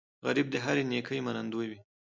غریب د هرې نیکۍ منندوی وي